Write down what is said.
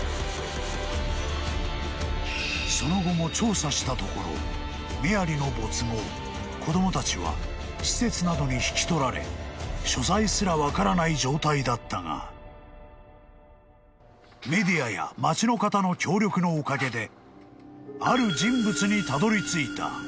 ［その後も調査したところメアリの没後子供たちは施設などに引き取られ所在すら分からない状態だったがメディアや町の方の協力のおかげで］